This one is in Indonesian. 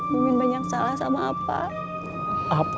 mungkin banyak salah sama apa